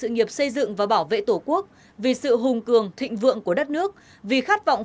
sự nghiệp xây dựng và bảo vệ tổ quốc vì sự hùng cường thịnh vượng của đất nước vì khát vọng